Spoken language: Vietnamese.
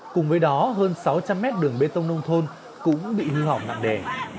cùng với đó hơn sáu trăm linh mét đường bê tông nông thôn cũng bị hư hỏng nặng đề